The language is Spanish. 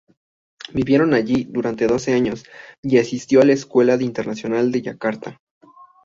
Vivieron allí durante doce años, y asistió a la Escuela Internacional de Yakarta.